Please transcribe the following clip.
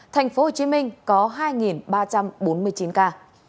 thành phố hồ chí minh có hai ba trăm bốn mươi chín ca